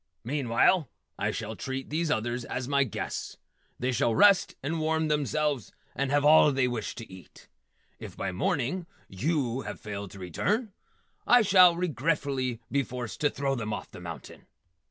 Meanwhile, I shall treat these others as my guests. They shall rest and warm themselves and have all they wish to eat. If by morning yew have failed to return, I shall regretfully be forced to throw them off the mountain.